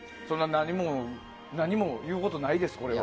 何も言うことないです、これは。